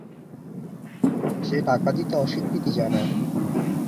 সে টাকা দিতে অস্বীকৃতি জানায়।